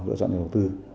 được lựa chọn đầu tư